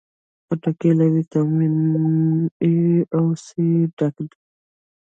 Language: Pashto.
خټکی له ویټامین A او C ډکه ده.